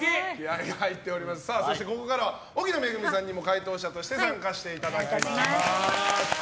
そして、ここからは奥菜恵さんにも回答者として参加していただきます。